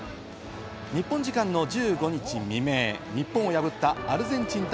日本時間の１５日未明、日本を破ったアルゼンチン対